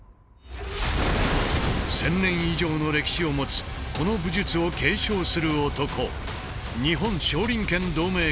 １，０００年以上の歴史を持つこの武術を継承する男日本少林拳同盟会代表